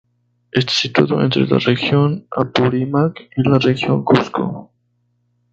Está situado entre la Región Apurímac y la Región Cusco.